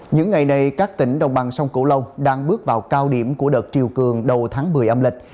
những ngày này các tỉnh đồng bằng sông cửu long đang bước vào cao điểm của đợt triều cường đầu tháng một mươi âm lịch